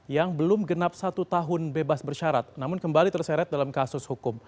yang belum genap satu tahun bebas bersyarat namun kembali terseret dalam kasus hukum